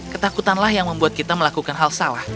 ketakutanlah yang membuat kita melakukan hal salah